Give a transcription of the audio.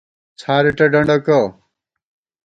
څھارېٹہ ڈنڈَکہ